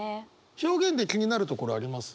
表現で気になるところあります？